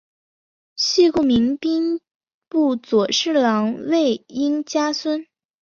系故明兵部左侍郎魏应嘉孙。